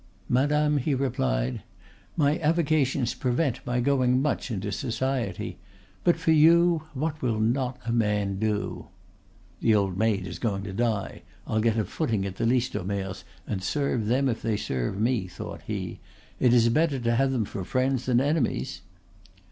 "Madame," he replied, "my avocations prevent my going much into society; but for you, what will not a man do?" ("The old maid is going to die; I'll get a footing at the Listomere's, and serve them if they serve me," thought he. "It is better to have them for friends than enemies.")